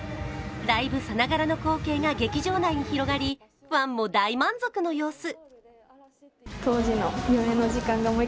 ライブさながらの光景が劇場内に広がりファンも大満足の様子。